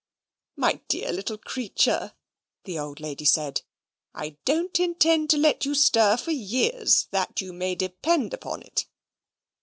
"My dear little creature," the old lady said, "I don't intend to let you stir for years, that you may depend upon it.